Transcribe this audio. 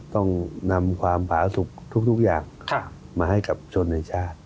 ต้องนำความผาสุขทุกอย่างมาให้กับชนในชาติ